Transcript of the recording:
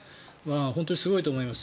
本当にすごいと思います。